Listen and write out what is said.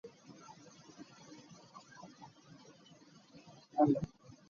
Erias Lukwago ayogedde ku bwangu pulezidenti Museveni kw'asuulidde Sarah Kanyike ku bwa minisita.